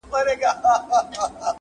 نه مي علم نه دولت سي ستنولای،